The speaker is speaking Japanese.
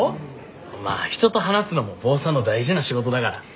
まあ人と話すのも坊さんの大事な仕事だから。